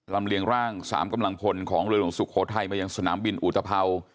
เลียงร่าง๓กำลังพลของเรือหลวงสุโขทัยมายังสนามบินอุตภัวร์